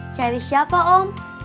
cari siapa om